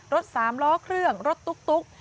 สามล้อเครื่องรถตุ๊ก